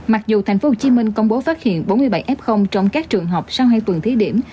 mặc dù tp hcm công bố phát hiện bốn mươi bảy f trong các trường học sau hai tuần thí điểm